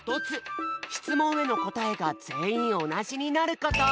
しつもんへのこたえがぜんいんおなじになること。